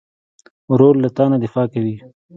ورور له تا نه دفاع کوي.